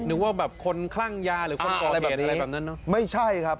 นึกว่าแบบคนคลั่งยาหรือคนอะไรแบบนั้นเนอะไม่ใช่ครับ